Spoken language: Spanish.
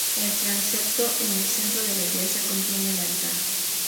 El transepto en el centro de la iglesia contiene el altar.